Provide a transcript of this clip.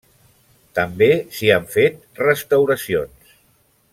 També s'hi han fet restauracions.